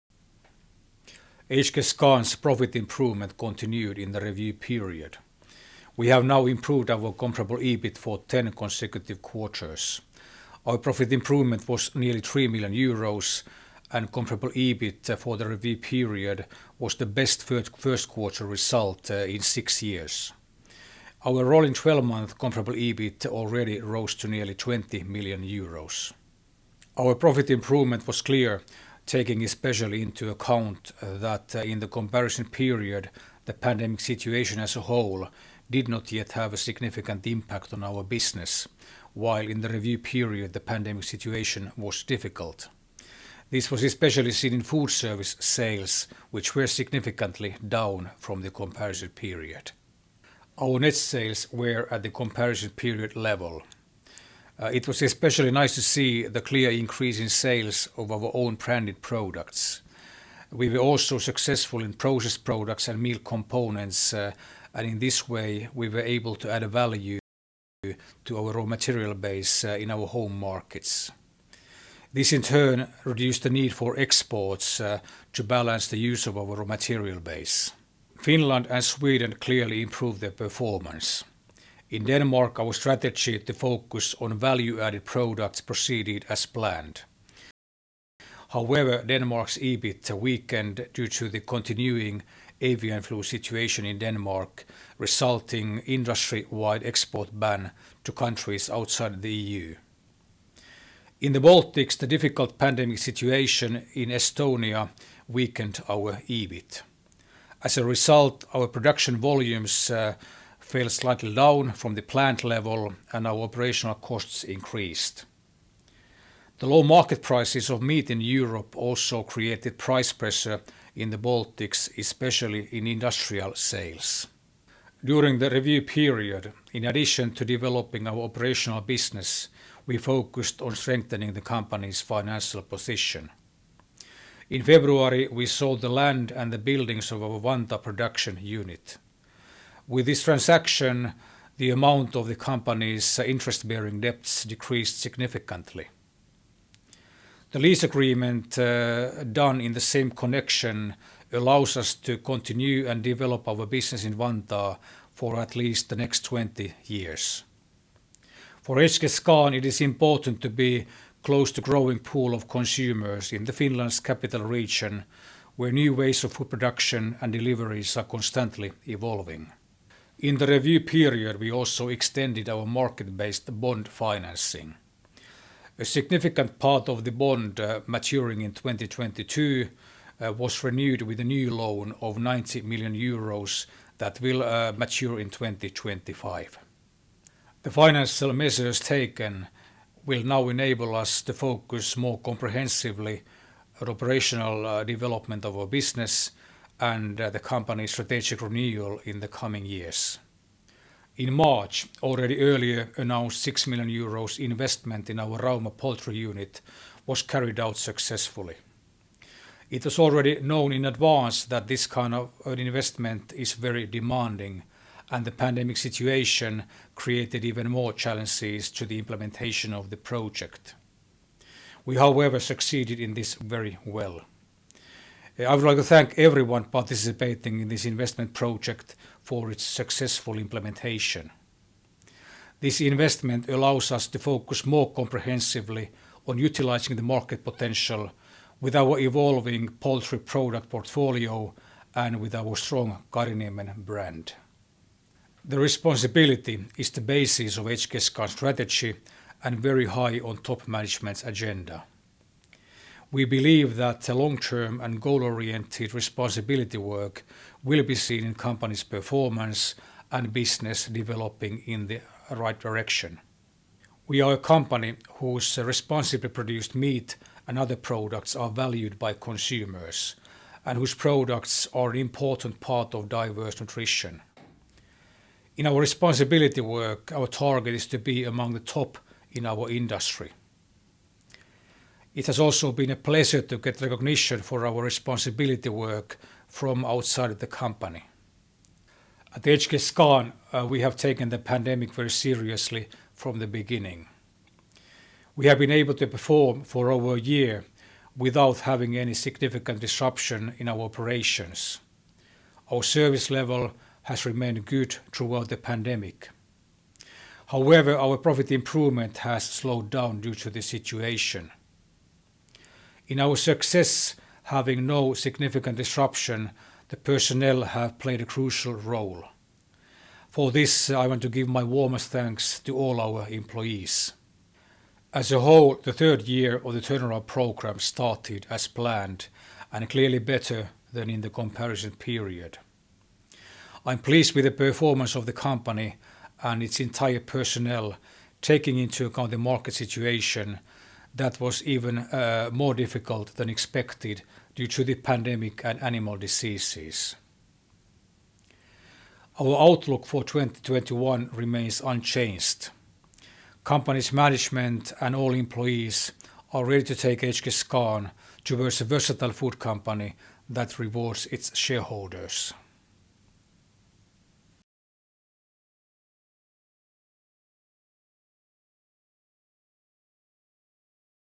HKScan's profit improvement continued in the review period. We have now improved our comparable EBIT for 10 consecutive quarters. Our profit improvement was nearly 3 million euros, and comparable EBIT for the review period was the best first quarter result in six years. Our rolling 12 month comparable EBIT already rose to nearly 20 million euros. Our profit improvement was clear, taking especially into account that in the comparison period, the pandemic situation as a whole did not yet have a significant impact on our business, while in the review period, the pandemic situation was difficult. This was especially seen in food service sales, which were significantly down from the comparison period. Our net sales were at the comparison period level. It was especially nice to see the clear increase in sales of our own branded products. We were also successful in processed products and meal components, and in this way, we were able to add value to our raw material base in our home markets. This in turn reduced the need for exports to balance the use of our raw material base. Finland and Sweden clearly improved their performance. In Denmark, our strategy to focus on value-added products proceeded as planned. However, Denmark's EBIT weakened due to the continuing avian flu situation in Denmark, resulting industry-wide export ban to countries outside the EU. In the Baltics, the difficult pandemic situation in Estonia weakened our EBIT. As a result, our production volumes fell slightly down from the planned level and our operational costs increased. The low market prices of meat in Europe also created price pressure in the Baltics, especially in industrial sales. During the review period, in addition to developing our operational business, we focused on strengthening the company's financial position. In February, we sold the land and the buildings of our Vantaa production unit. With this transaction, the amount of the company's interest-bearing debts decreased significantly. The lease agreement done in the same connection allows us to continue and develop our business in Vantaa for at least the next 20 years. For HKScan, it is important to be close to growing pool of consumers in the Finland's capital region, where new ways of food production and deliveries are constantly evolving. In the review period, we also extended our market-based bond financing. A significant part of the bond maturing in 2022 was renewed with a new loan of 90 million euros that will mature in 2025. The financial measures taken will now enable us to focus more comprehensively on operational development of our business and the company's strategic renewal in the coming years. In March, already earlier announced 6 million euros investment in our Rauma poultry unit was carried out successfully. It was already known in advance that this kind of an investment is very demanding, and the pandemic situation created even more challenges to the implementation of the project. We, however, succeeded in this very well. I would like to thank everyone participating in this investment project for its successful implementation. This investment allows us to focus more comprehensively on utilizing the market potential with our evolving poultry product portfolio and with our strong Kariniemen brand. The responsibility is the basis of HKScan strategy and very high on top management's agenda. We believe that the long-term and goal-oriented responsibility work will be seen in company's performance and business developing in the right direction. We are a company whose responsibly produced meat and other products are valued by consumers and whose products are an important part of diverse nutrition. In our responsibility work, our target is to be among the top in our industry. It has also been a pleasure to get recognition for our responsibility work from outside of the company. At HKScan, we have taken the pandemic very seriously from the beginning. We have been able to perform for over a year without having any significant disruption in our operations. Our service level has remained good throughout the pandemic. Our profit improvement has slowed down due to the situation. In our success having no significant disruption, the personnel have played a crucial role. For this, I want to give my warmest thanks to all our employees. As a whole, the third year of the turnaround program started as planned and clearly better than in the comparison period. I'm pleased with the performance of the company and its entire personnel, taking into account the market situation that was even more difficult than expected due to the pandemic and animal diseases. Our outlook for 2021 remains unchanged. Company's management and all employees are ready to take HKScan towards a versatile food company that rewards its shareholders.